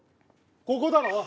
ここだろ？